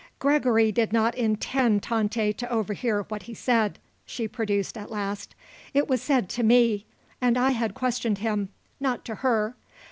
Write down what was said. "Gregory did not intend Tante to overhear what he said," she produced at last. "It was said to me and I had questioned him not to her.